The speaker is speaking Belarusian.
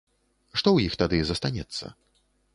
Што ў іх тады застанецца?